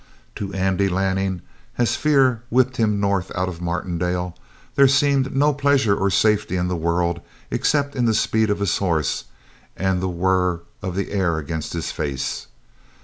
To Andy Lanning, as fear whipped him north out of Martindale, there seemed no pleasure or safety in the world except in the speed of his horse and the whir of the air against his face.